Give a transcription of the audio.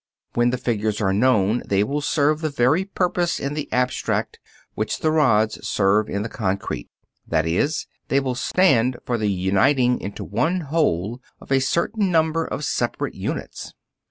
When the figures are known, they will serve the very purpose in the abstract which the rods serve in the concrete; that is, they will stand for the uniting into one whole of a certain number of separate units.